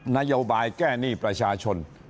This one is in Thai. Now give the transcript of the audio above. นโยบายแก้หนี้ประชาชน